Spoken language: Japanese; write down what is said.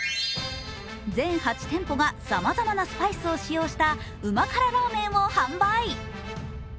全８店舗がさまざまなスパイスを使用した旨辛ラーメンを販売。